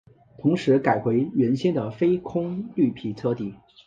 同时改回原先的非空绿皮车底。